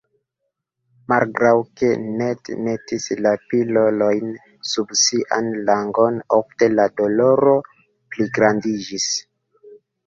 Malgraŭ ke Ned metis la pilolojn sub sian langon ofte, la doloro pligrandiĝis.